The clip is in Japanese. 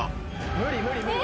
無理無理無理。